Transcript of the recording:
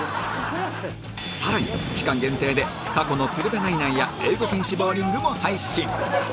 更に期間限定で過去の『鶴瓶＆ナイナイ』や英語禁止ボウリングも配信